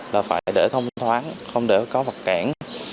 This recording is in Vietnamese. là phải để thông thoáng không để có vật cản